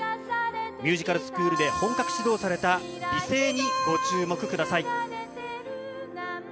ミュージカルスクールで本格指導された美声にご注目ください。